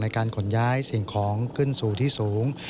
การขนย้ายสิ่งของขึ้นสู่ที่สูง